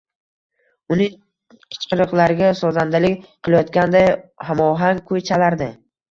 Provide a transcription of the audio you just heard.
uning qichqiriqlariga sozandalik qilayotganday hamohang kuy chalardi.